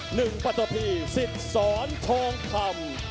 หนึ่งปัตตะพีสิทธิ์สอนทองคำ